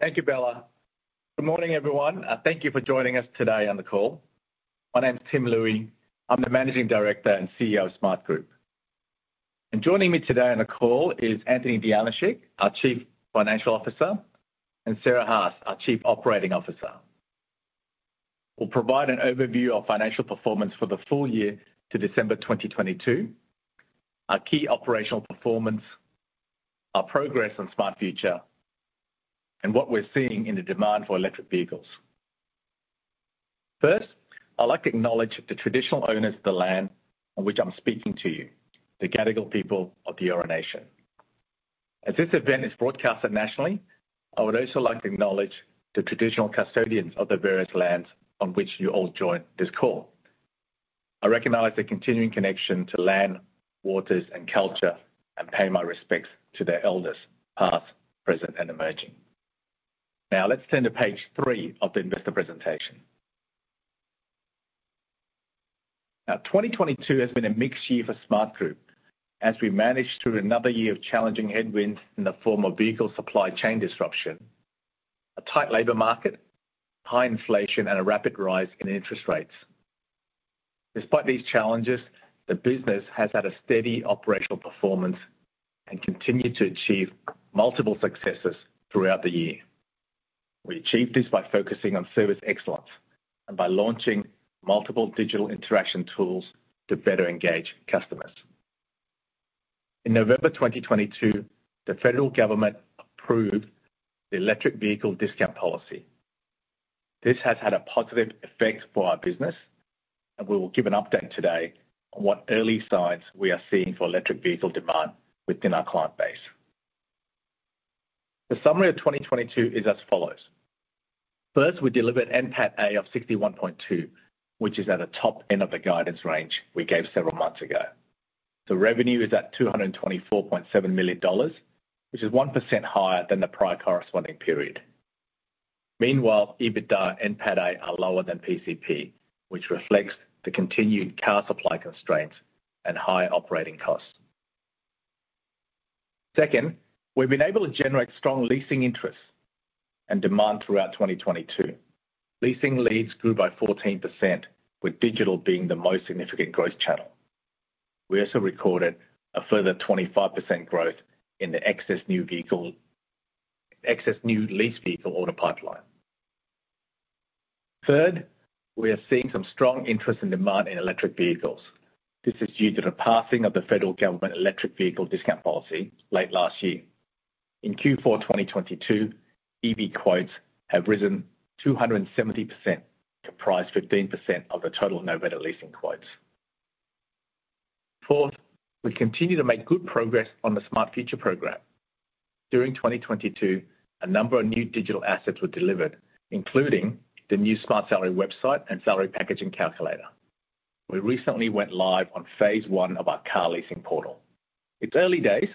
Thank you, Bella. Good morning, everyone. Thank you for joining us today on the call. My name's Tim Looi. I'm the Managing Director and CEO of Smartgroup. Joining me today on the call is Anthony Dijanosic, our Chief Financial Officer, and Sarah Haas, our Chief Operating Officer. We'll provide an overview of financial performance for the full year to December 2022, our key operational performance, our progress on Smart Future, and what we're seeing in the demand for electric vehicles. First, I'd like to acknowledge the traditional owners of the land on which I'm speaking to you, the Gadigal people of the Eora Nation. As this event is broadcasted nationally, I would also like to acknowledge the traditional custodians of the various lands on which you all joined this call. I recognize the continuing connection to land, waters, and culture, and pay my respects to their elders, past, present, and emerging. Let's turn to page 3 of the investor presentation. 2022 has been a mixed year for Smartgroup as we managed through another year of challenging headwinds in the form of vehicle supply chain disruption, a tight labor market, high inflation, and a rapid rise in interest rates. Despite these challenges, the business has had a steady operational performance and continued to achieve multiple successes throughout the year. We achieved this by focusing on service excellence and by launching multiple digital interaction tools to better engage customers. In November 2022, the federal government approved the Electric Vehicle Discount Policy. This has had a positive effect for our business, and we will give an update today on what early signs we are seeing for electric vehicle demand within our client base. The summary of 2022 is as follows: first, we delivered NPATA of 61.2, which is at the top end of the guidance range we gave several months ago. The revenue is at 224.7 million dollars, which is 1% higher than the prior corresponding period. Meanwhile, EBITDA and NPATA are lower than PCP, which reflects the continued car supply constraints and higher operating costs. Second, we've been able to generate strong leasing interest and demand throughout 2022. Leasing leads grew by 14%, with digital being the most significant growth channel. We also recorded a further 25% growth in the excess new lease vehicle order pipeline. We are seeing some strong interest and demand in electric vehicles. This is due to the passing of the federal government electric vehicle discount policy late last year. In Q4 2022, EV quotes have risen 270% to comprise 15% of the total Novated leasing quotes. We continue to make good progress on the Smart Future program. During 2022, a number of new digital assets were delivered, including the new Smartsalary website and salary packaging calculator. We recently went live on phase one of our car leasing portal. It's early days,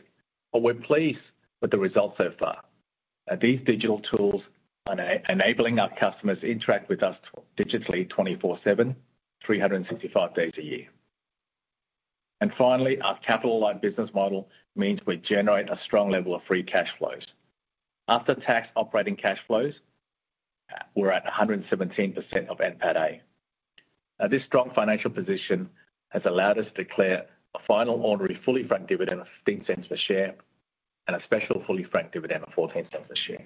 but we're pleased with the results so far. These digital tools are enabling our customers to interact with us digitally 24/7, 365 days a year. Finally, our capital light business model means we generate a strong level of free cash flows. After tax operating cash flows, we're at 117% of NPATA. This strong financial position has allowed us to declare a final ordinary fully franked dividend of 0.15 per share and a special fully franked dividend of 0.14 per share.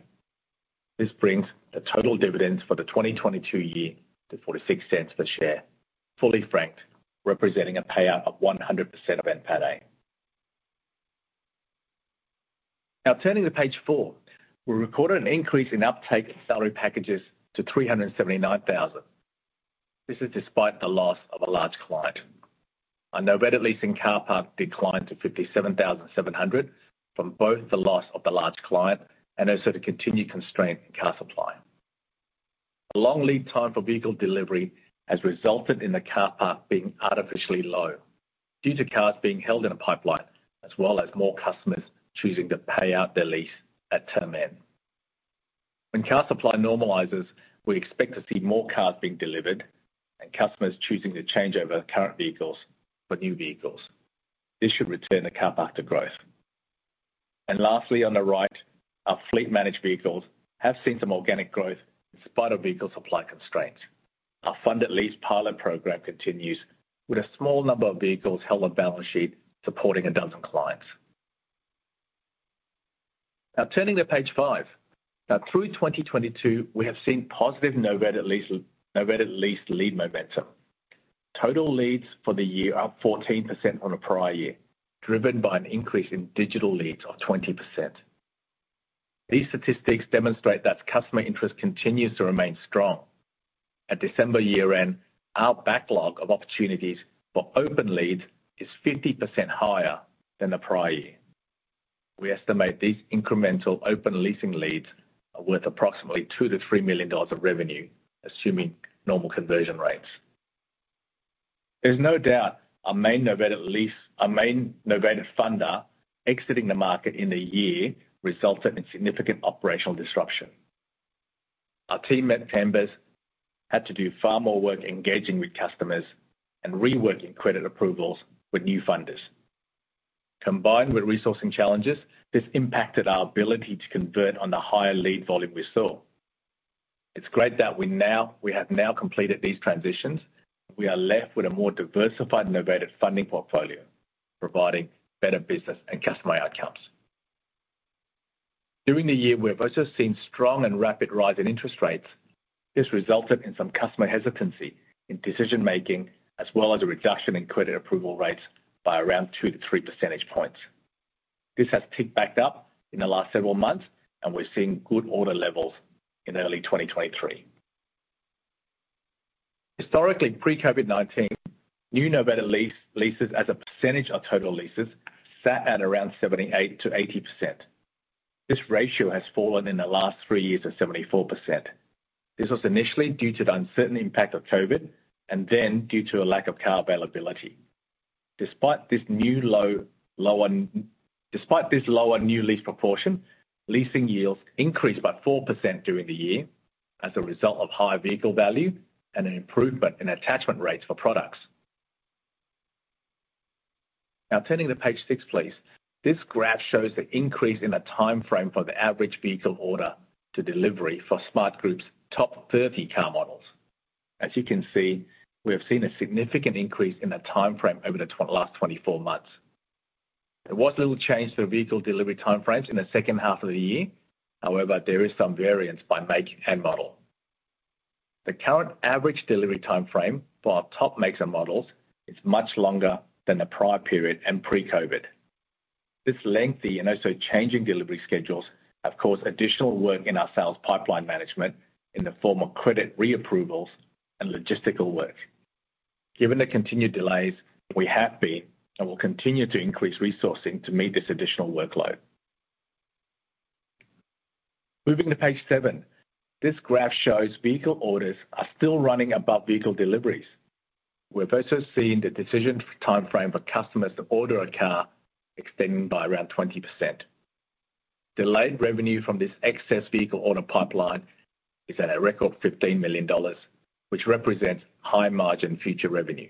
This brings the total dividends for the 2022 year to 0.46 per share, fully franked, representing a payout of 100% of NPATA. Turning to page four. We recorded an increase in uptake in salary packages to 379,000. This is despite the loss of a large client. Our Novated leasing car park declined to 57,700 from both the loss of the large client and also the continued constraint in car supply. A long lead time for vehicle delivery has resulted in the car park being artificially low due to cars being held in a pipeline, as well as more customers choosing to pay out their lease at term end. When car supply normalizes, we expect to see more cars being delivered and customers choosing to change over current vehicles for new vehicles. This should return the car park to growth. Lastly, on the right, our fleet managed vehicles have seen some organic growth in spite of vehicle supply constraints. Our funded lease pilot program continues with a small number of vehicles held on balance sheet supporting a dozen clients. Turning to page 5. Through 2022, we have seen positive Novated lease lead momentum. Total leads for the year are up 14% on the prior year, driven by an increase in digital leads of 20%. These statistics demonstrate that customer interest continues to remain strong. At December year-end, our backlog of opportunities for open leads is 50% higher than the prior year. We estimate these incremental open leasing leads are worth approximately 2 million-3 million dollars of revenue, assuming normal conversion rates. There's no doubt our main Novated funder exiting the market in the year resulted in significant operational disruption. Our team members had to do far more work engaging with customers and reworking credit approvals with new funders. Combined with resourcing challenges, this impacted our ability to convert on the higher lead volume we saw. It's great that we have now completed these transitions. We are left with a more diversified, Novated funding portfolio, providing better business and customer outcomes. During the year, we have also seen strong and rapid rise in interest rates. This resulted in some customer hesitancy in decision-making, as well as a reduction in credit approval rates by around 2 to 3 percentage points. This has ticked back up in the last several months, and we're seeing good order levels in early 2023. Historically, pre-COVID-19, new Novated leases as a percentage of total leases sat at around 78% to 80%. This ratio has fallen in the last three years to 74%. This was initially due to the uncertain impact of COVID, and then due to a lack of car availability Despite this lower new lease proportion, leasing yields increased by 4% during the year as a result of higher vehicle value and an improvement in attachment rates for products. Now turning to page 6, please. This graph shows the increase in the timeframe for the average vehicle order to delivery for Smartgroup's top 30 car models. As you can see, we have seen a significant increase in the timeframe over the last 24 months. There was little change to the vehicle delivery time frames in the second half of the year. However, there is some variance by make and model. The current average delivery timeframe for our top makes and models is much longer than the prior period and pre-COVID. This lengthy and also changing delivery schedules have caused additional work in our sales pipeline management in the form of credit reapprovals and logistical work. Given the continued delays, we have been and will continue to increase resourcing to meet this additional workload. Moving to page seven. This graph shows vehicle orders are still running above vehicle deliveries. We've also seen the decision timeframe for customers to order a car extending by around 20%. Delayed revenue from this excess vehicle order pipeline is at a record 15 million dollars, which represents high-margin future revenue.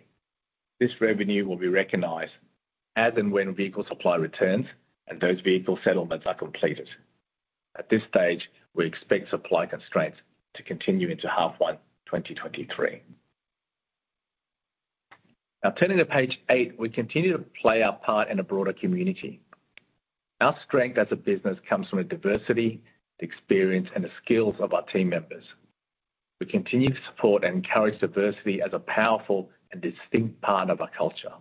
This revenue will be recognized as and when vehicle supply returns and those vehicle settlements are completed. At this stage, we expect supply constraints to continue into half one 2023. Turning to page eight, we continue to play our part in a broader community. Our strength as a business comes from the diversity, the experience, and the skills of our team members. We continue to support and encourage diversity as a powerful and distinct part of our culture.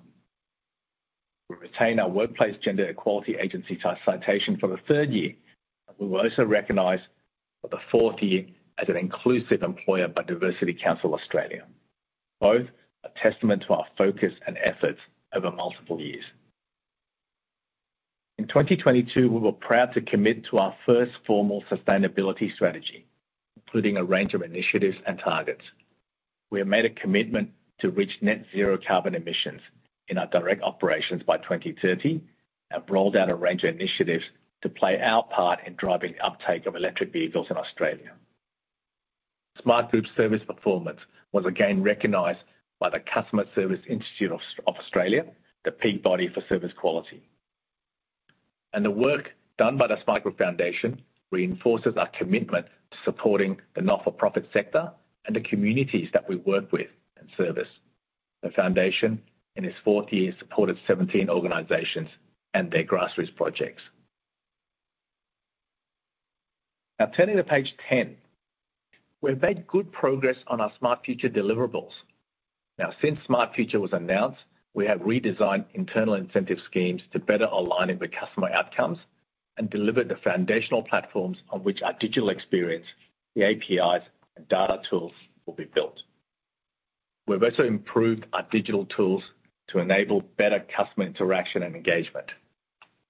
We retain our Workplace Gender Equality Agency tie citation for the third year. We were also recognized for the fourth year as an inclusive employer by Diversity Council Australia. Both are testament to our focus and efforts over multiple years. In 2022, we were proud to commit to our first formal sustainability strategy, including a range of initiatives and targets. We have made a commitment to reach net zero carbon emissions in our direct operations by 2030 and rolled out a range of initiatives to play our part in driving uptake of electric vehicles in Australia. Smartgroup service performance was again recognized by the Customer Service Institute of Australia, the peak body for service quality. The work done by the Smartgroup Foundation reinforces our commitment to supporting the not-for-profit sector and the communities that we work with and service. The foundation, in its fourth year, supported 17 organizations and their grassroots projects. Turning to page 10. We've made good progress on our Smart Future deliverables. Since Smart Future was announced, we have redesigned internal incentive schemes to better align with the customer outcomes and delivered the foundational platforms on which our digital experience, the APIs and data tools will be built. We've also improved our digital tools to enable better customer interaction and engagement.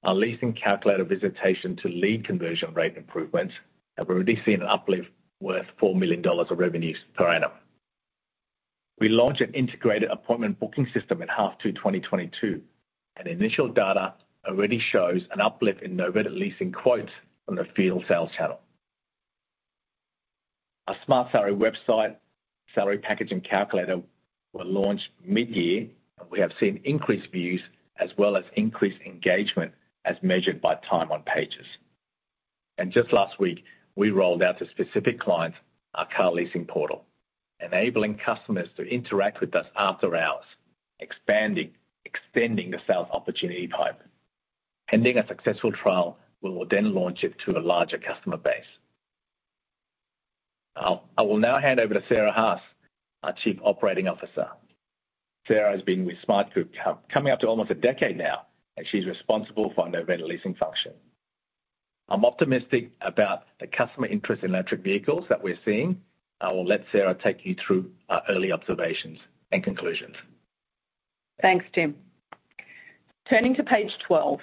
Our leasing calculator visitation to lead conversion rate improvements, and we're already seeing an uplift worth 4 million dollars of revenues per annum. We launched an integrated appointment booking system in H2 2022. Initial data already shows an uplift in Novated leasing quotes from the field sales channel. Our Smartsalary website, salary packaging calculator were launched mid-year. We have seen increased views as well as increased engagement as measured by time on pages. Just last week, we rolled out to specific clients our car leasing portal, enabling customers to interact with us after hours, expanding, extending the sales opportunity pipe. Pending a successful trial, we will then launch it to a larger customer base. I will now hand over to Sarah Haas, our Chief Operating Officer. Sarah has been with Smartgroup coming up to almost a decade now. She's responsible for Novated leasing function. I'm optimistic about the customer interest in electric vehicles that we're seeing. I will let Sarah take you through our early observations and conclusions. Thanks, Tim. Turning to page 12.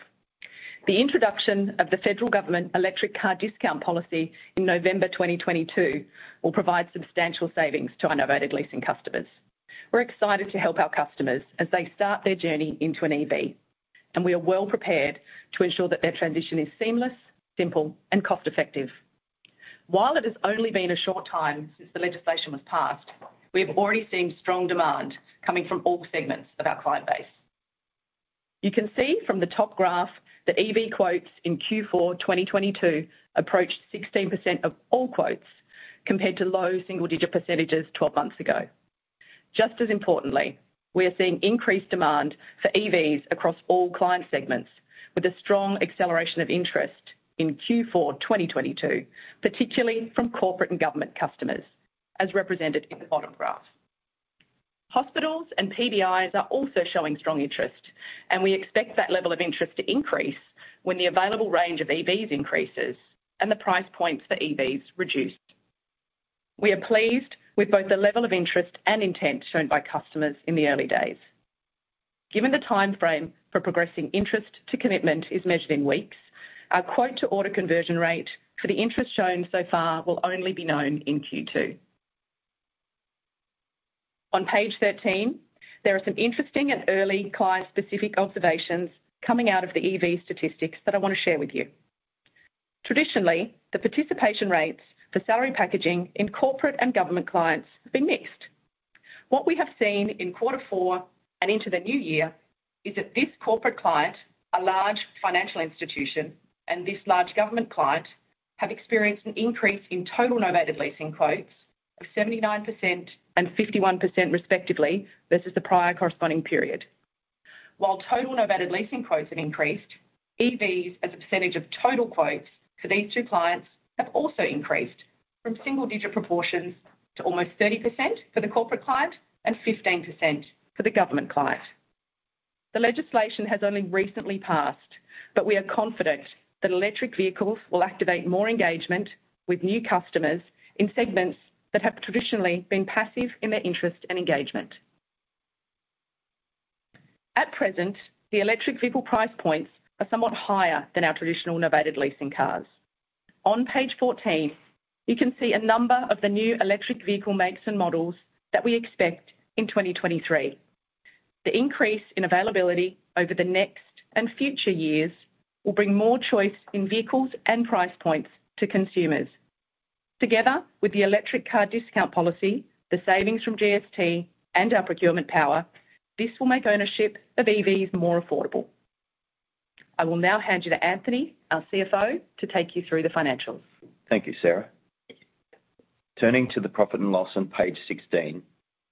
The introduction of the Federal Government Electric Car Discount Policy in November 2022 will provide substantial savings to our Novated leasing customers. We're excited to help our customers as they start their journey into an EV. We are well prepared to ensure that their transition is seamless, simple, and cost-effective. While it has only been a short time since the legislation was passed, we have already seen strong demand coming from all segments of our client base. You can see from the top graph that EV quotes in Q4 2022 approached 16% of all quotes compared to low single-digit percentages 12 months ago. Just as importantly, we are seeing increased demand for EVs across all client segments, with a strong acceleration of interest in Q4 2022, particularly from corporate and government customers, as represented in the bottom graph. Hospitals and PBIs are also showing strong interest. We expect that level of interest to increase when the available range of EVs increases and the price points for EVs reduce. We are pleased with both the level of interest and intent shown by customers in the early days. Given the timeframe for progressing interest to commitment is measured in weeks, our quote to order conversion rate for the interest shown so far will only be known in Q2. On page 13, there are some interesting and early client-specific observations coming out of the EV statistics that I wanna share with you. Traditionally, the participation rates for salary packaging in corporate and government clients have been mixed. What we have seen in quarter four and into the new year is that this corporate client, a large financial institution, and this large government client, have experienced an increase in total Novated leasing quotes of 79% and 51% respectively versus the prior corresponding period. While total Novated leasing quotes have increased, EVs as a percentage of total quotes for these two clients have also increased from single-digit proportions to almost 30% for the corporate client and 15% for the government client. The legislation has only recently passed, but we are confident that electric vehicles will activate more engagement with new customers in segments that have traditionally been passive in their interest and engagement. At present, the electric vehicle price points are somewhat higher than our traditional Novated leasing cars. On page 14, you can see a number of the new electric vehicle makes and models that we expect in 2023. The increase in availability over the next and future years will bring more choice in vehicles and price points to consumers. Together with the electric car discount policy, the savings from GST, and our procurement power, this will make ownership of EVs more affordable. I will now hand you to Anthony, our CFO, to take you through the financials. Thank you, Sarah. Turning to the profit and loss on page 16,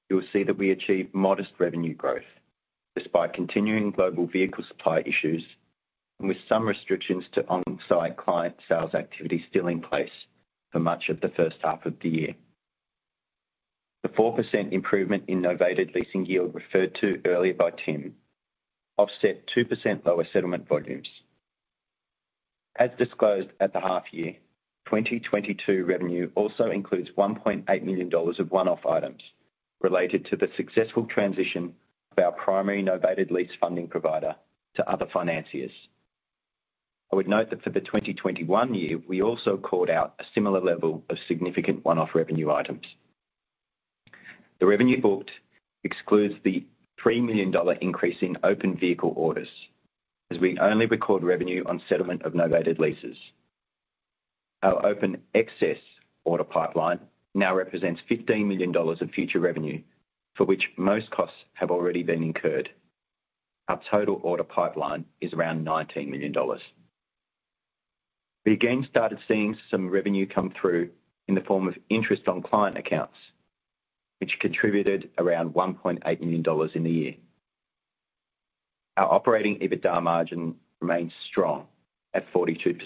you will see that we achieved modest revenue growth despite continuing global vehicle supply issues and with some restrictions to on-site client sales activity still in place for much of the first half of the year. The 4% improvement in Novated leasing yield referred to earlier by Tim offset 2% lower settlement volumes. Disclosed at the half year, 2022 revenue also includes 1.8 million dollars of one-off items related to the successful transition of our primary Novated lease funding provider to other financiers. I would note that for the 2021 year, we also called out a similar level of significant one-off revenue items. The revenue booked excludes the 3 million dollar increase in open vehicle orders, as we only record revenue on settlement of Novated leases. Our open excess order pipeline now represents 15 million dollars of future revenue, for which most costs have already been incurred. Our total order pipeline is around 19 million dollars. We again started seeing some revenue come through in the form of interest on client accounts, which contributed around 1.8 million dollars in the year. Our operating EBITDA margin remains strong at 42%.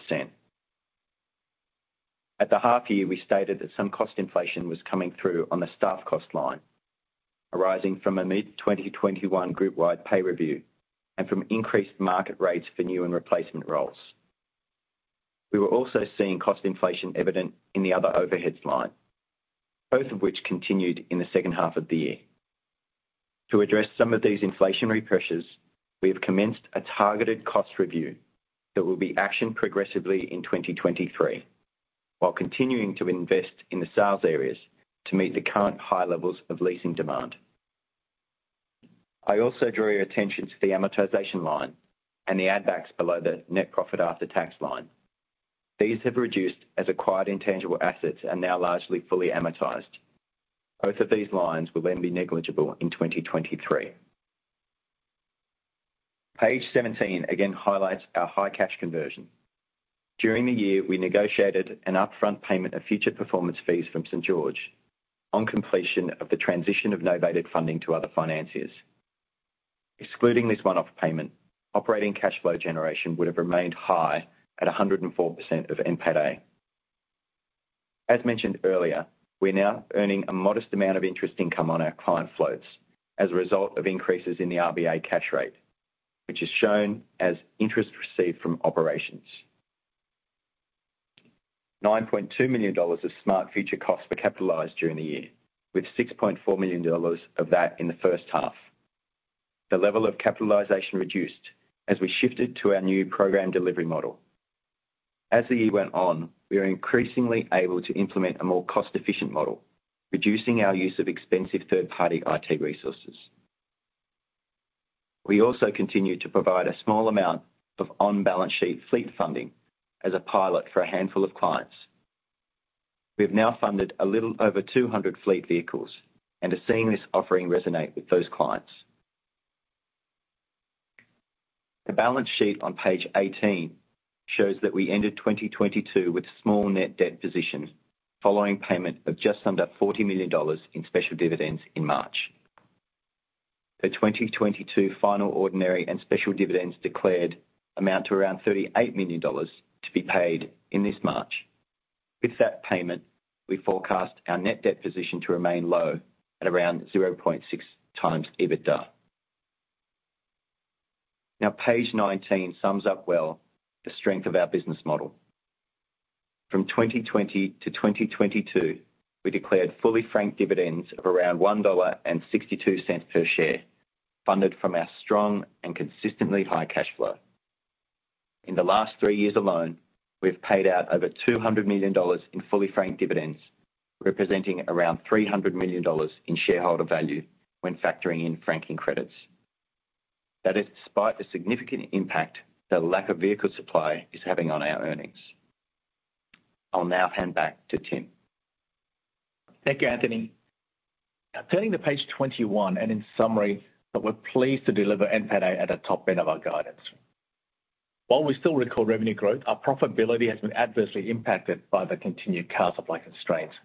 At the half year, we stated that some cost inflation was coming through on the staff cost line, arising from a mid-2021 group wide pay review and from increased market rates for new and replacement roles. We were also seeing cost inflation evident in the other overheads line, both of which continued in the second half of the year. To address some of these inflationary pressures, we have commenced a targeted cost review that will be actioned progressively in 2023, while continuing to invest in the sales areas to meet the current high levels of leasing demand. I also draw your attention to the amortization line and the add backs below the net profit after tax line. These have reduced as acquired intangible assets are now largely fully amortized. Both of these lines will be negligible in 2023. Page 17 again highlights our high cash conversion. During the year, we negotiated an upfront payment of future performance fees from St.George Bank on completion of the transition of Novated funding to other financiers. Excluding this one-off payment, operating cash flow generation would have remained high at 104% of NPATA. As mentioned earlier, we're now earning a modest amount of interest income on our client floats as a result of increases in the RBA cash rate, which is shown as interest received from operations. 9.2 million dollars of Smart Future costs were capitalized during the year, with 6.4 million dollars of that in the first half. The level of capitalization reduced as we shifted to our new program delivery model. As the year went on, we were increasingly able to implement a more cost-efficient model, reducing our use of expensive third-party IT resources. We also continue to provide a small amount of on-balance sheet fleet funding as a pilot for a handful of clients. We have now funded a little over 200 fleet vehicles and are seeing this offering resonate with those clients. The balance sheet on page 18 shows that we ended 2022 with small net debt positions following payment of just under 40 million dollars in special dividends in March. The 2022 final ordinary and special dividends declared amount to around 38 million dollars to be paid in this March. With that payment, we forecast our net debt position to remain low at around 0.6 times EBITDA. Now, page 19 sums up well the strength of our business model. From 2020 to 2022, we declared fully franked dividends of around 1.62 dollar per share, funded from our strong and consistently high cash flow. In the last three years alone, we've paid out over 200 million dollars in fully franked dividends, representing around 300 million dollars in shareholder value when factoring in franking credits. That is despite the significant impact the lack of vehicle supply is having on our earnings. I'll now hand back to Tim. Thank you, Anthony. Turning to page 21 and in summary, that we're pleased to deliver NPATA at the top end of our guidance. While we still record revenue growth, our profitability has been adversely impacted by the continued car supply constraints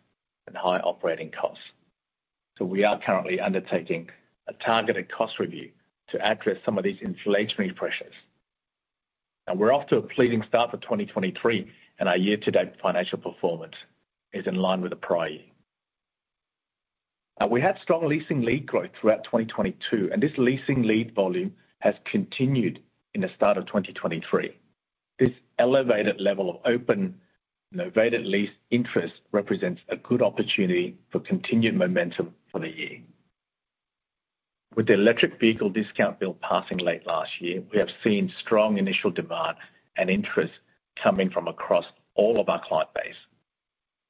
and high operating costs. We are currently undertaking a targeted cost review to address some of these inflationary pressures. We're off to a pleasing start for 2023, and our year-to-date financial performance is in line with the prior year. We had strong leasing lead growth throughout 2022, and this leasing lead volume has continued in the start of 2023. This elevated level of open Novated lease interest represents a good opportunity for continued momentum for the year. With the Electric Vehicle Discount Bill passing late last year, we have seen strong initial demand and interest coming from across all of our client base.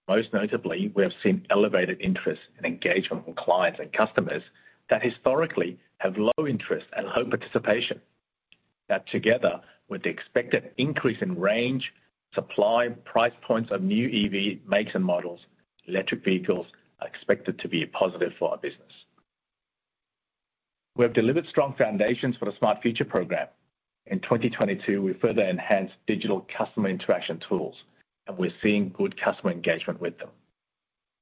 Most notably, we have seen elevated interest and engagement from clients and customers that historically have low interest and low participation. That together with the expected increase in range, supply, price points of new EV makes and models, electric vehicles are expected to be a positive for our business. We have delivered strong foundations for the Smart Future program. In 2022, we further enhanced digital customer interaction tools, and we're seeing good customer engagement with them.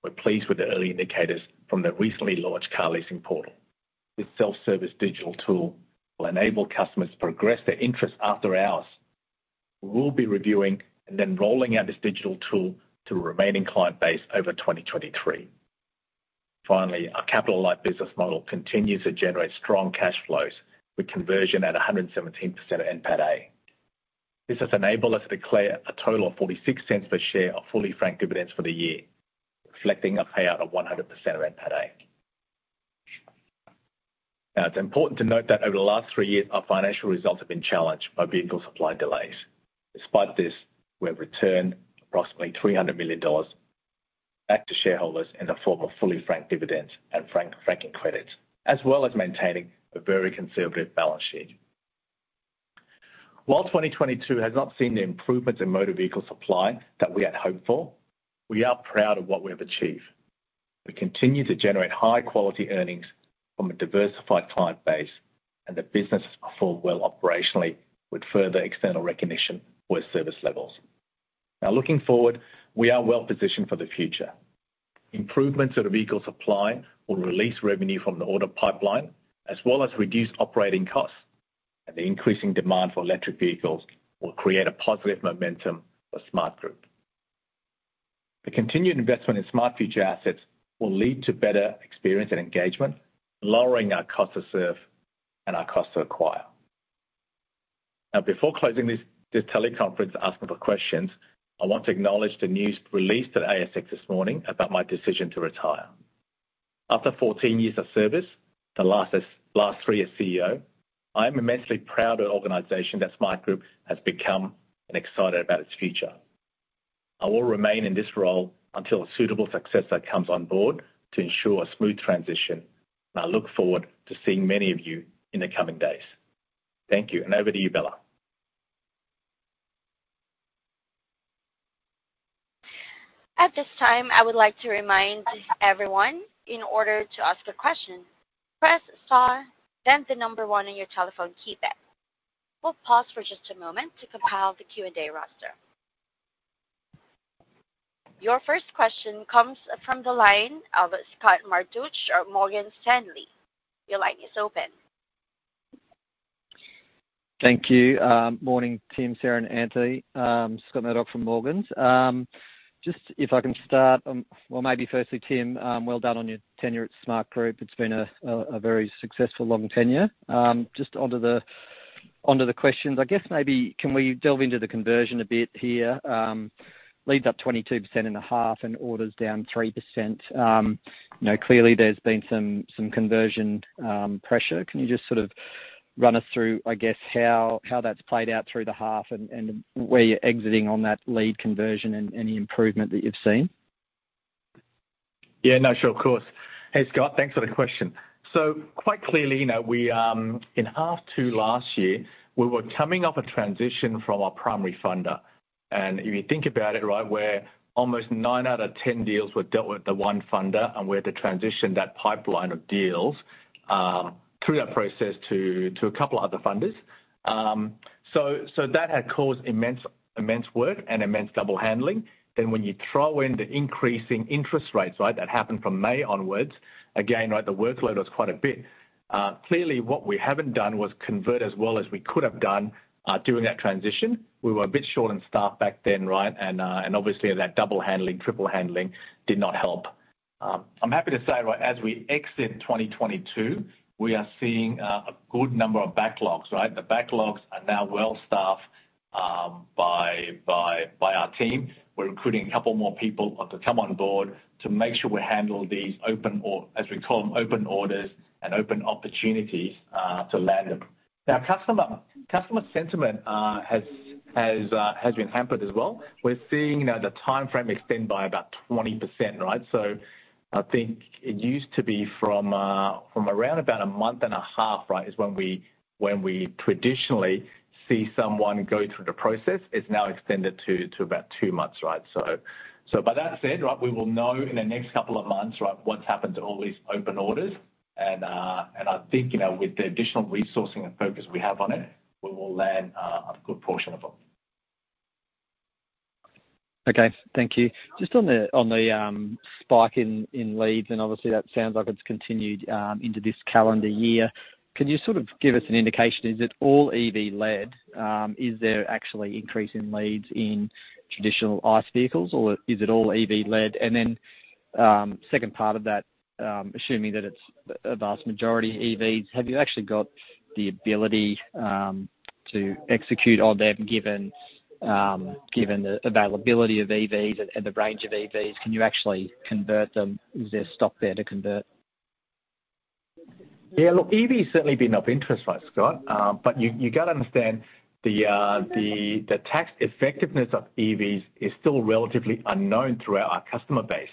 We're pleased with the early indicators from the recently launched car leasing portal. This self-service digital tool will enable customers to progress their interest after hours. We'll be reviewing and then rolling out this digital tool to the remaining client base over 2023. Our capital light business model continues to generate strong cash flows with conversion at 117% of NPATA. This has enabled us to declare a total of 0.46 per share of fully franked dividends for the year, reflecting a payout of 100% of NPATA. It's important to note that over the last 3 years, our financial results have been challenged by vehicle supply delays. Despite this, we have returned approximately 300 million dollars back to shareholders in the form of fully franked dividends and franking credits, as well as maintaining a very conservative balance sheet. While 2022 has not seen the improvements in motor vehicle supply that we had hoped for, we are proud of what we have achieved. We continue to generate high quality earnings from a diversified client base, and the business has performed well operationally with further external recognition for its service levels. Looking forward, we are well positioned for the future. Improvements of the vehicle supply will release revenue from the order pipeline, as well as reduce operating costs, the increasing demand for electric vehicles will create a positive momentum for Smartgroup. The continued investment in Smart Future assets will lead to better experience and engagement, lowering our cost to serve and our cost to acquire. Before closing this teleconference and asking for questions, I want to acknowledge the news released at ASX this morning about my decision to retire. After 14 years of service, the last three as CEO, I am immensely proud of the organization that Smartgroup has become and excited about its future. I will remain in this role until a suitable successor comes on board to ensure a smooth transition, and I look forward to seeing many of you in the coming days. Thank you, and over to you, Bella. At this time, I would like to remind everyone in order to ask a question, press star then number 1 on your telephone keypad. We'll pause for just a moment to compile the Q&A roster. Your first question comes from the line of Scott Murdoch of Morgan Stanley. Your line is open. Thank you. Morning, Tim Looi, Sarah Haas, and Anthony Dijanosic. Scott Murdoch from Morgans'. Just if I can start, maybe firstly, Tim Looi, well done on your tenure at Smartgroup. It's been a very successful long tenure. Just onto the questions. I guess maybe can we delve into the conversion a bit here? Leads up 22.5% and orders down 3%. You know, clearly there's been some conversion pressure. Can you just sort of Run us through, I guess, how that's played out through the half and where you're exiting on that lead conversion and any improvement that you've seen. Yeah. No, sure. Of course. Hey, Scott. Thanks for the question. Quite clearly, you know, we in half 2 last year, we were coming off a transition from our primary funder. If you think about it, right, where almost 9 out of 10 deals were dealt with the one funder, and we had to transition that pipeline of deals through that process to a couple of other funders. So that had caused immense work and immense double handling. When you throw in the increasing interest rates, right, that happened from May onwards, again, right, the workload was quite a bit. Clearly, what we haven't done was convert as well as we could have done during that transition. We were a bit short on staff back then, right? Obviously that double handling, triple handling did not help. I'm happy to say, right, as we exit 2022, we are seeing a good number of backlogs, right. The backlogs are now well staffed by our team. We're recruiting a couple more people to come on board to make sure we handle these open or, as we call them, open orders and open opportunities to land them. Customer sentiment has been hampered as well. We're seeing, you know, the timeframe extend by about 20%. I think it used to be from around about a month and a half, right, is when we traditionally see someone go through the process, it's now extended to about two months, right. That said, right, we will know in the next couple of months, right, what's happened to all these open orders. I think, you know, with the additional resourcing and focus we have on it, we will land a good portion of them. Okay. Thank you. Just on the, on the spike in leads, and obviously that sounds like it's continued into this calendar year. Can you sort of give us an indication, is it all EV led? Is there actually increase in leads in traditional ICE vehicles, or is it all EV led? Second part of that, assuming that it's a vast majority of EVs, have you actually got the ability to execute on them given the availability of EVs and the range of EVs, can you actually convert them? Is there stock there to convert? Look, EV has certainly been of interest, right, Scott. But you gotta understand the tax effectiveness of EVs is still relatively unknown throughout our customer base.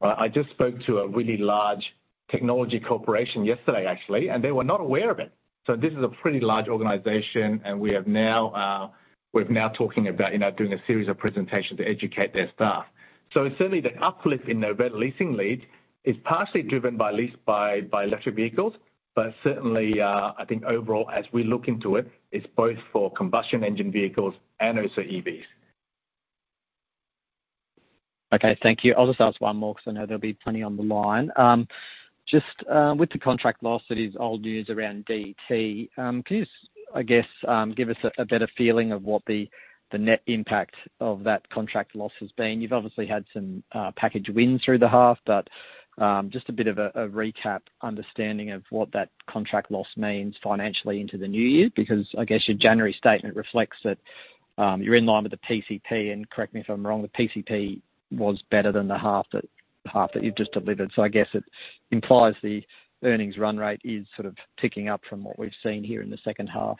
Right. I just spoke to a really large technology corporation yesterday actually, and they were not aware of it. This is a pretty large organization and we have now, we're now talking about, you know, doing a series of presentations to educate their staff. Certainly the uplift in Novated leasing leads is partially driven by electric vehicles. Certainly, I think overall as we look into it's both for combustion engine vehicles and also EVs. Okay. Thank you. I'll just ask 1 more because I know there'll be plenty on the line. Just with the contract loss, it is old news around DET. Can you, I guess, give us a better feeling of what the net impact of that contract loss has been? You've obviously had some package wins through the half, just a bit of a recap understanding of what that contract loss means financially into the new year. I guess your January statement reflects that you're in line with the PCP, and correct me if I'm wrong, the PCP was better than the half that you've just delivered. I guess it implies the earnings run rate is sort of ticking up from what we've seen here in the second half.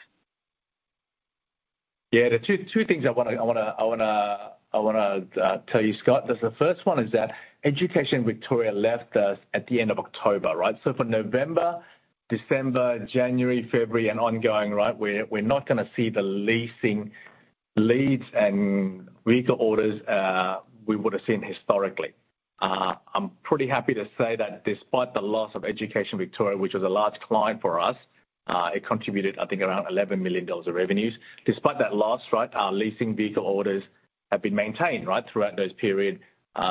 Yeah. The two things I wanna tell you, Scott. The first one is that Education Victoria left us at the end of October, right? For November, December, January, February and ongoing, right, we're not gonna see the leasing leads and vehicle orders we would have seen historically. I'm pretty happy to say that despite the loss of Education Victoria, which was a large client for us, it contributed, I think, around 11 million dollars of revenues. Despite that loss, right, our leasing vehicle orders have been maintained, right, throughout those period.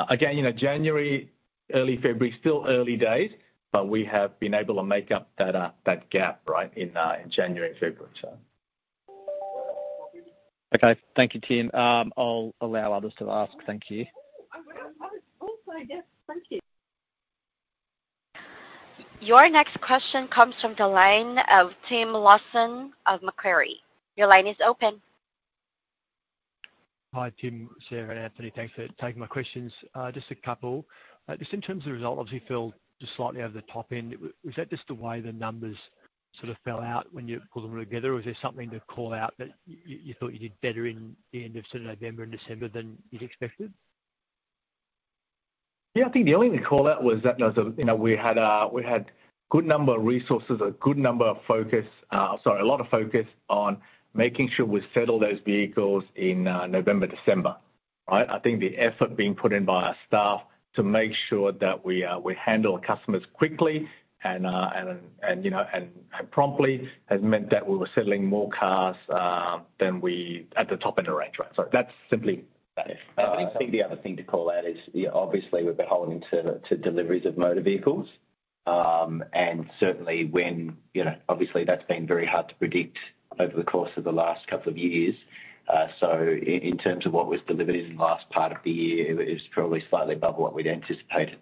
Again, you know, January, early February, still early days, but we have been able to make up that gap, right, in January and February. Okay. Thank you, Tim. I'll allow others to ask. Thank you. Yes, thank you. Your next question comes from the line of Tim Lawson of Macquarie. Your line is open. Hi, Tim, Sarah and Anthony. Thanks for taking my questions. Just a couple. Just in terms of result, obviously felt just slightly over the top end. Was that just the way the numbers sort of fell out when you pull them together or is there something to call out that you thought you did better in the end of November and December than you'd expected? Yeah. I think the only thing to call out was that as a, you know, we had good number of resources, a good number of focus. Sorry, a lot of focus on making sure we settle those vehicles in November, December. Right. I think the effort being put in by our staff to make sure that we handle our customers quickly and, you know, and promptly has meant that we were settling more cars than at the top end of range, right? That's simply that. Yeah. Uh- I think the other thing to call out is, yeah, obviously we've been holding to deliveries of motor vehicles. Certainly when, you know, obviously that's been very hard to predict over the course of the last couple of years. In terms of what was delivered in the last part of the year, it was probably slightly above what we'd anticipated.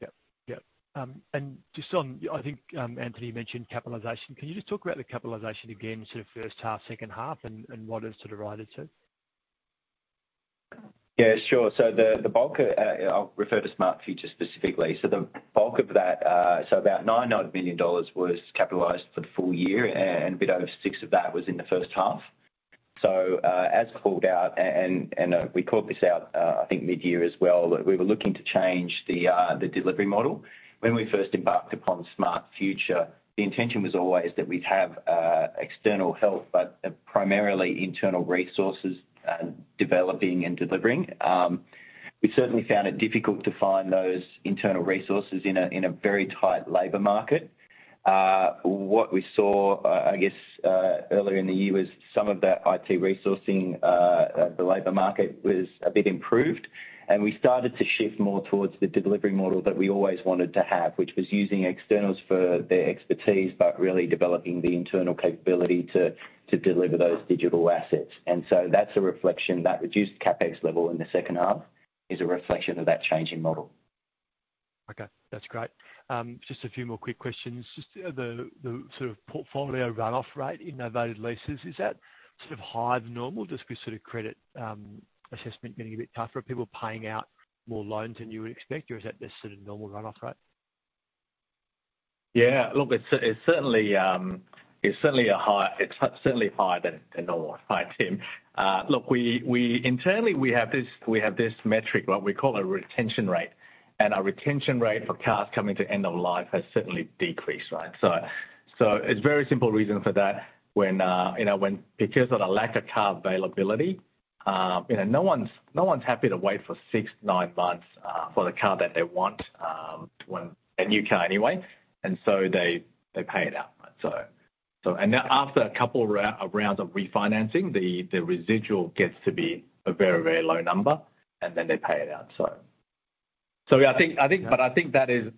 Yep. Yep. Just on, I think, Anthony mentioned capitalization. Can you just talk about the capitalization again, sort of first half, second half, and what it sort of rises to? Yeah, sure. The, the bulk, I'll refer to Smart Future specifically. The bulk of that, about 9.9 million dollars was capitalized for the full year, and a bit over 6 million of that was in the first half. As called out, and we called this out, I think midyear as well, that we were looking to change the delivery model. When we first embarked upon Smart Future, the intention was always that we'd have external help, but primarily internal resources, developing and delivering. We certainly found it difficult to find those internal resources in a very tight labor market. What we saw, I guess, earlier in the year was some of that IT resourcing, the labor market was a bit improved. We started to shift more towards the delivery model that we always wanted to have, which was using externals for their expertise, but really developing the internal capability to deliver those digital assets. That's a reflection. That reduced CapEx level in the second half is a reflection of that changing model. Okay, that's great. Just a few more quick questions. Just the sort of portfolio run-off rate in our valued leases, is that sort of higher than normal just with sort of credit, assessment getting a bit tougher? Are people paying out more loans than you would expect or is that the sort of normal run-off rate? Yeah. Look, it's certainly higher than normal. Hi, Tim. Look, we internally, we have this metric, what we call a retention rate, and our retention rate for cars coming to end of life has certainly decreased, right? It's very simple reason for that when, you know, when because of the lack of car availability, you know, no one's happy to wait for six, nine months for the car that they want when a new car anyway. They pay it out. After a couple of rounds of refinancing, the residual gets to be a very low number, they pay it out. Yeah, I think, but I think that is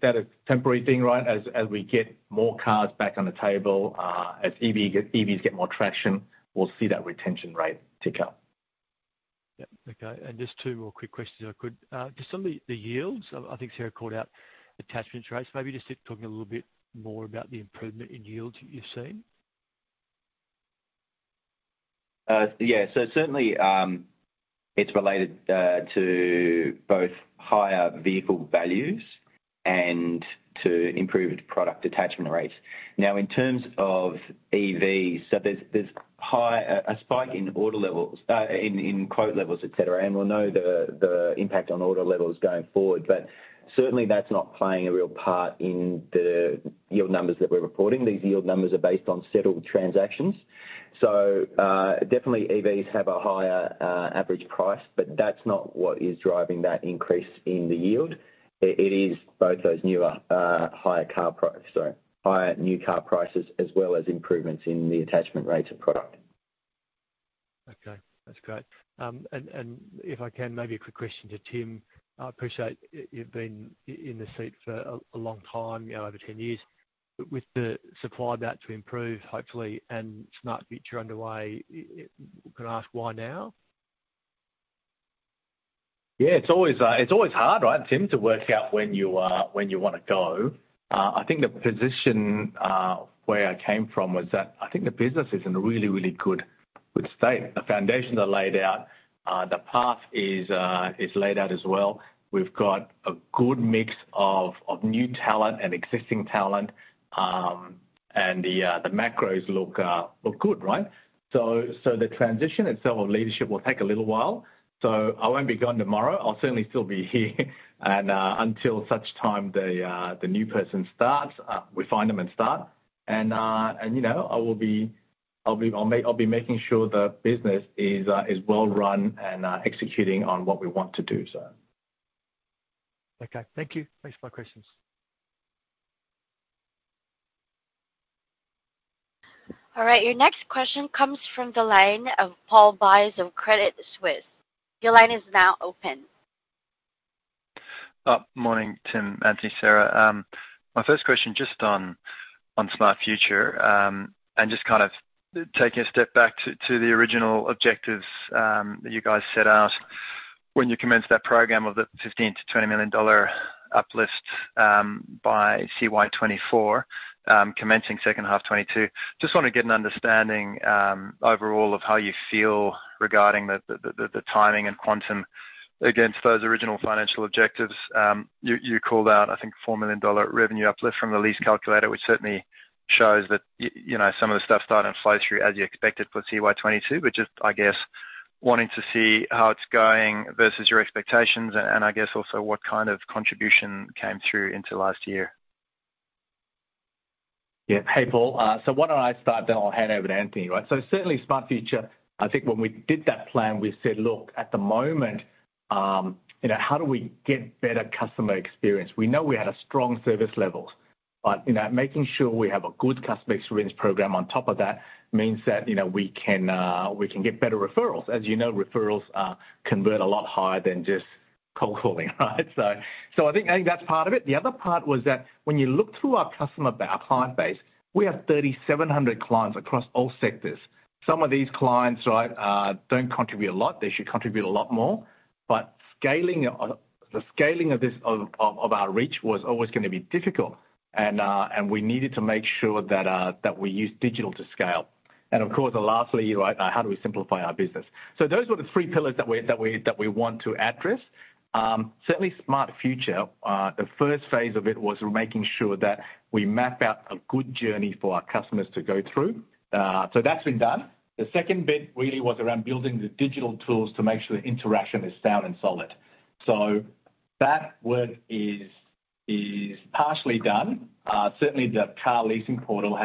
temporary thing, right. As we get more cars back on the table, as EVs get more traction, we'll see that retention rate tick up. Yeah. Okay. Just two more quick questions if I could. Just on the yields, I think Sarah called out attachment rates. Maybe just talking a little bit more about the improvement in yields you've seen. Yeah. Certainly, it's related to both higher vehicle values and to improved product attachment rates. Now, in terms of EVs, there's a spike in order levels, in quote levels, et cetera. We'll know the impact on order levels going forward. Certainly that's not playing a real part in the yield numbers that we're reporting. These yield numbers are based on settled transactions. Definitely EVs have a higher average price, but that's not what is driving that increase in the yield. It is both those newer, higher new car prices as well as improvements in the attachment rates of product. Okay. That's great. If I can, maybe a quick question to Tim. I appreciate you've been in the seat for a long time, you know, over 10 years. With the supply about to improve, hopefully, and Smart Future underway, can I ask why now? Yeah. It's always hard, right, Tim, to work out when you, when you wanna go. I think the position where I came from was that I think the business is in a really good state. The foundations are laid out. The path is laid out as well. We've got a good mix of new talent and existing talent. The macros look good, right? The transition itself of leadership will take a little while. I won't be gone tomorrow. I'll certainly still be here and until such time the new person starts, we find them and start. you know, I'll be making sure the business is well run and executing on what we want to do so. Okay. Thank you. Thanks for my questions. All right, your next question comes from the line of Paul Buys of Credit Suisse. Your line is now open. Morning, Tim, Anthony, Sarah. My first question, just on Smart Future, and just kind of taking a step back to the original objectives that you guys set out when you commenced that program of the 15 million-20 million dollar uplift by CY 2024, commencing second half 2022. Just wanna get an understanding overall of how you feel regarding the timing and quantum against those original financial objectives. You, you called out, I think, a 4 million dollar revenue uplift from the lease calculator, which certainly shows that you know, some of the stuff's starting to flow through as you expected for CY 2022. Just, I guess, wanting to see how it's going versus your expectations and I guess also what kind of contribution came through into last year. Hey, Paul. why don't I start, then I'll hand over to Anthony, right? Certainly Smart Future, I think when we did that plan, we said, "Look, at the moment, you know, how do we get better customer experience?" We know we had a strong service levels, but, you know, making sure we have a good customer experience program on top of that means that, you know, we can get better referrals. As you know, referrals convert a lot higher than just cold calling, right? I think that's part of it. The other part was that when you look through our client base, we have 3,700 clients across all sectors. Some of these clients, right, don't contribute a lot. They should contribute a lot more. Scaling the scaling of this of our reach was always gonna be difficult. We needed to make sure that we used digital to scale. Of course, lastly, right, how do we simplify our business? Those were the three pillars that we want to address. Certainly Smart Future, the first phase of it was making sure that we map out a good journey for our customers to go through. That's been done. The second bit really was around building the digital tools to make sure the interaction is sound and solid. That work is partially done. Certainly the car leasing portal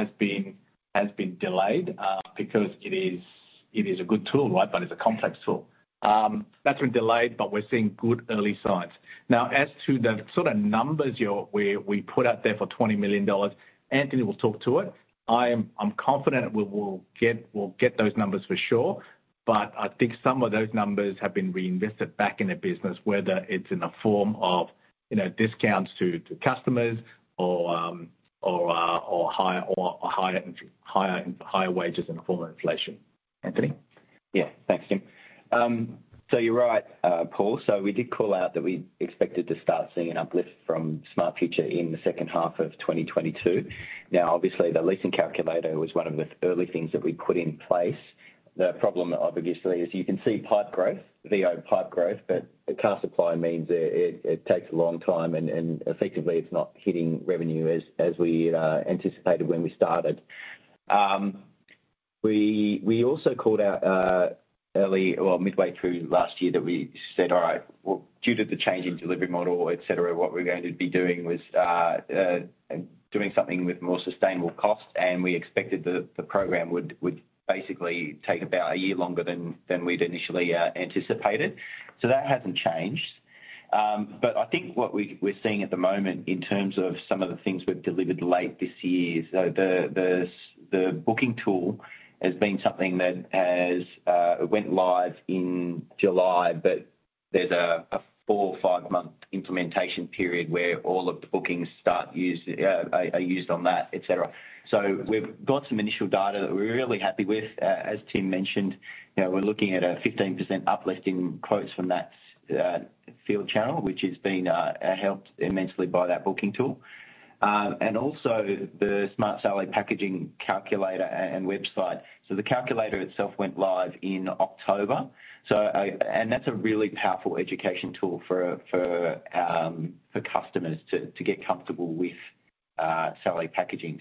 has been delayed because it is a good tool, right, but it's a complex tool. That's been delayed, but we're seeing good early signs. Now, as to the sorta numbers we put out there for 20 million dollars, Anthony will talk to it. I'm confident we'll get those numbers for sure. I think some of those numbers have been reinvested back in the business, whether it's in the form of, you know, discounts to customers or higher wages in the form of inflation. Anthony. Yeah. Thanks, Tim. You're right, Paul. We did call out that we expected to start seeing an uplift from Smart Future in the second half of 2022. Obviously the leasing calculator was one of the early things that we put in place. The problem obviously is you can see pipe growth, VO pipe growth, but the car supply means it takes a long time and effectively it's not hitting revenue as we anticipated when we started. We also called out early or midway through last year that we said, "All right. Well, due to the change in delivery model, et cetera, what we're going to be doing was doing something with more sustainable cost." We expected the program would basically take about a year longer than we'd initially anticipated. That hasn't changed. But I think what we're seeing at the moment in terms of some of the things we've delivered late this year. The booking tool has been something that has went live in July, but there's a 4-5 month implementation period where all of the bookings start are used on that, et cetera. We've got some initial data that we're really happy with. As Tim mentioned, you know, we're looking at a 15% uplift in quotes from that field channel, which has been helped immensely by that booking tool. And also the Smartsalary packaging calculator and website. The calculator itself went live in October. That's a really powerful education tool for customers to get comfortable with salary packaging.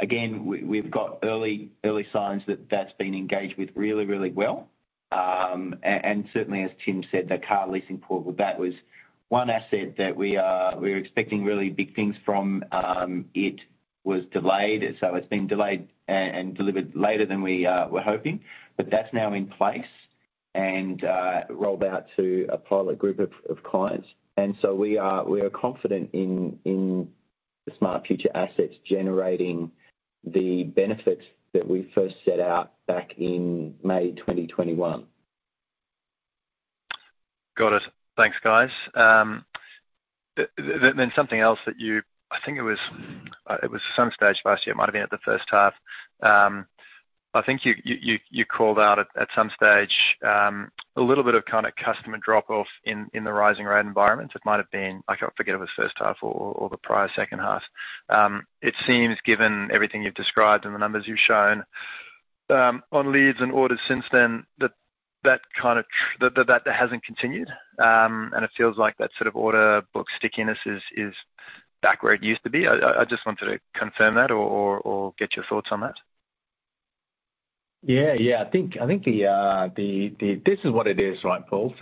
Again, we've got early signs that that's been engaged with really, really well. And certainly, as Tim said, the car leasing portal, that was one asset that we're expecting really big things from. It was delayed, it's been delayed and delivered later than we were hoping. That's now in place and rolled out to a pilot group of clients. We are confident in the Smart Future assets generating the benefits that we first set out back in May 2021. Got it. Thanks, guys. Something else that you, I think it was some stage last year, might have been at the first half. I think you called out at some stage a little bit of kinda customer drop-off in the rising rate environment. It might have been, I can't forget it was first half or the prior second half. It seems given everything you've described and the numbers you've shown on leads and orders since then, that that kind of that hasn't continued. It feels like that sort of order book stickiness is back where it used to be. I just wanted to confirm that or get your thoughts on that. Yeah, yeah. I think the... This is what it is, right, Paul?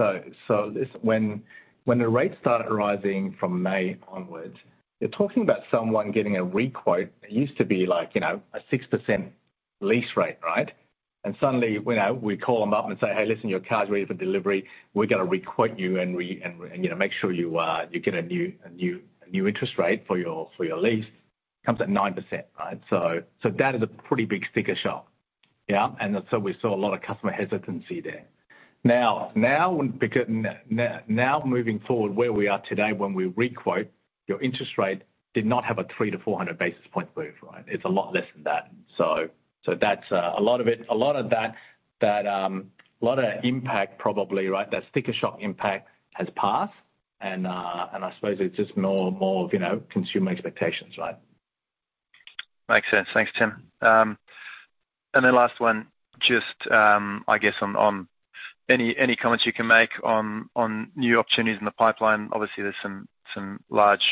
When the rates started rising from May onwards, you're talking about someone getting a re-quote that used to be like, you know, a 6% lease rate, right? Suddenly, you know, we call them up and say, "Hey, listen, your car's ready for delivery. We're going to re-quote you and, you know, make sure you get a new interest rate for your, for your lease." Comes at 9%, right? That is a pretty big sticker shock. Yeah. We saw a lot of customer hesitancy there. Now moving forward, where we are today, when we re-quote, your interest rate did not have a 300-400 basis point move, right? It's a lot less than that. That's, a lot of it. A lot of that, a lot of impact probably, right, that sticker shock impact has passed and, I suppose it's just more, you know, consumer expectations, right? Makes sense. Thanks, Tim. Last one, just, I guess on any comments you can make on new opportunities in the pipeline? Obviously there's some large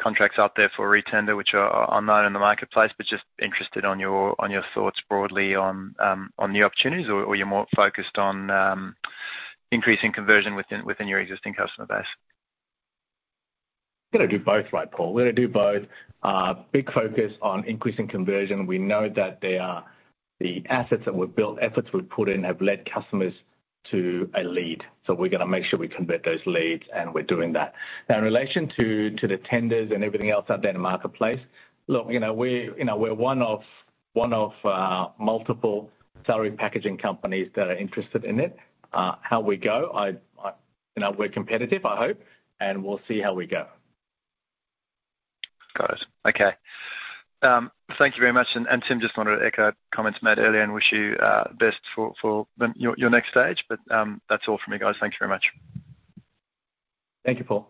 contracts out there for retender, which are unknown in the marketplace, but just interested on your thoughts broadly on new opportunities or you're more focused on increasing conversion within your existing customer base? Gonna do both, right, Paul. We're gonna do both. Big focus on increasing conversion. We know that they are the assets that we've built, efforts we've put in have led customers to a lead. We're gonna make sure we convert those leads, and we're doing that. In relation to the tenders and everything else out there in the marketplace. you know, we're, you know, we're one of multiple salary packaging companies that are interested in it. How we go, I... You know, we're competitive, I hope, and we'll see how we go. Okay. Thank you very much. Tim, just wanted to echo comments made earlier and wish you best for your next stage. That's all from me, guys. Thank you very much. Thank you, Paul.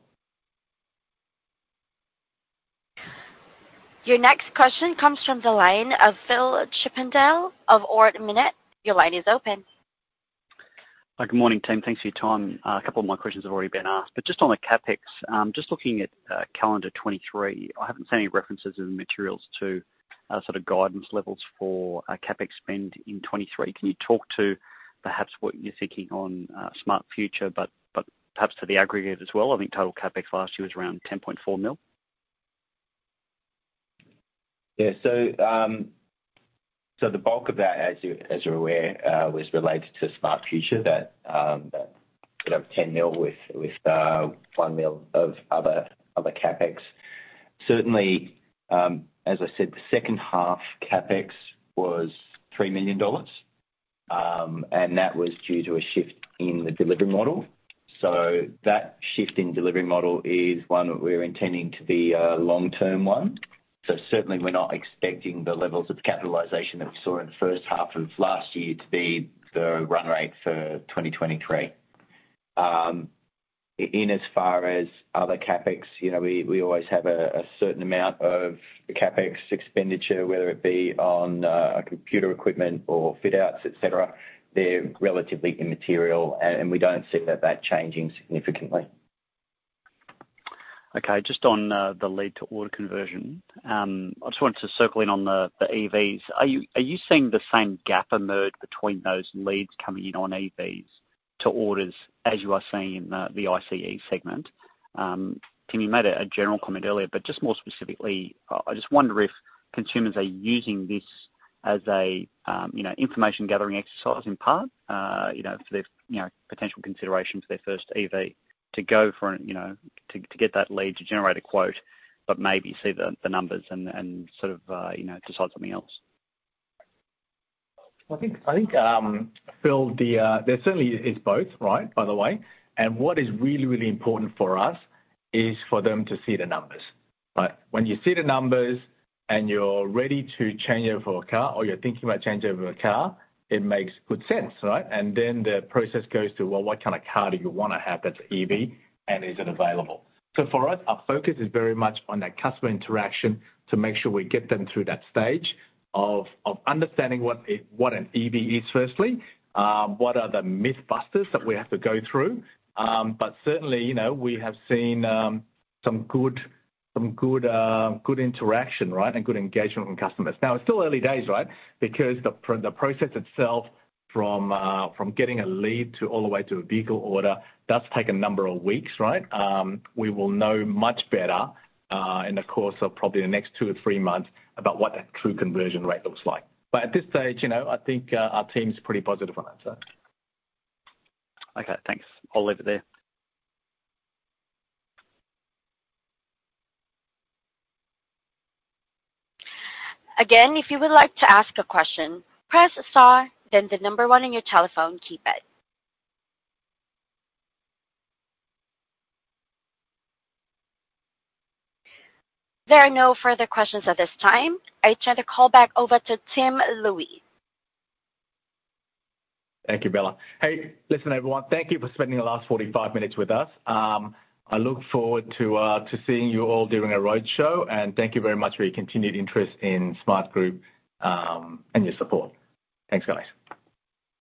Your next question comes from the line of Phillip Chippindale of Ord Minnett. Your line is open. Hi. Good morning, Tim. Thanks for your time. A couple of my questions have already been asked. Just on the CapEx, just looking at calendar 2023, I haven't seen any references in the materials to sort of guidance levels for a CapEx spend in 2023. Can you talk to perhaps what you're thinking on Smart Future but perhaps to the aggregate as well? I think total CapEx last year was around 10.4 million. Yeah. The bulk of that, as you, as you're aware, was related to Smart Future that, you know, 10 million with 1 million of other CapEx. Certainly, as I said, the second half CapEx was 3 million dollars, and that was due to a shift in the delivery model. That shift in delivery model is one that we're intending to be a long-term one. Certainly we're not expecting the levels of capitalization that we saw in the first half of last year to be the run rate for 2023. In as far as other CapEx, you know, we always have a certain amount of CapEx expenditure, whether it be on computer equipment or fit outs, et cetera. They're relatively immaterial, and we don't see that changing significantly. Okay. Just on the lead to order conversion, I just wanted to circle in on the EVs. Are you seeing the same gap emerge between those leads coming in on EVs to orders as you are seeing in the ICE segment? Tim, you made a general comment earlier, but just more specifically, I just wonder if consumers are using this as a, you know, information gathering exercise in part, you know, for their, you know, potential consideration for their first EV to go for, you know, to get that lead to generate a quote, but maybe see the numbers and sort of, you know, decide something else. I think, Phillip, there certainly is both, right, by the way. What is really important for us is for them to see the numbers, right? When you see the numbers and you're ready to change over for a car or you're thinking about changing over a car, it makes good sense, right? Then the process goes to, well, what kind of car do you wanna have that's EV, and is it available? For us, our focus is very much on that customer interaction to make sure we get them through that stage of understanding what an EV is firstly, what are the myth busters that we have to go through. Certainly, you know, we have seen some good interaction, right, good engagement from customers. It's still early days, right? Because the process itself from getting a lead to all the way to a vehicle order does take a number of weeks, right? We will know much better in the course of probably the next 2 or 3 months about what that true conversion rate looks like. At this stage, you know, I think our team's pretty positive on that, so. Okay, thanks. I'll leave it there. Again, if you would like to ask a question, press star then 1 on your telephone keypad. There are no further questions at this time. I turn the call back over to Tim Looi. Thank you, Bella. Hey, listen, everyone. Thank you for spending the last 45 minutes with us. I look forward to seeing you all during our roadshow, and thank you very much for your continued interest in Smartgroup, and your support. Thanks, guys.